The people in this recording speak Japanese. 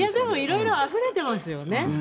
でもいろいろあふれてますよね。